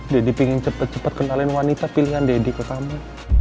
daddy pengen cepet cepet kenalin wanita pilihan daddy ke kamu